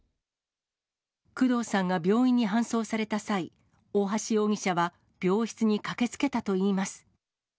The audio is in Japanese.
工藤さんが病院に搬送された際、大橋容疑者は病室に駆けつけたといいます。